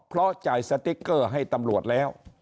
เพราะจ่ายสติ๊กเกอร์ให้ตำรวจแล้ว